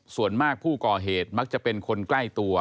ส่วนมากผู้ก่อเหตุมักจะเป็นคนใกล้ตัว